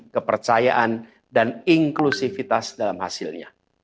kepercayaan dan inklusivitas dalam hasilnya